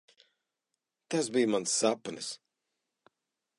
Tas bija mans sapnis.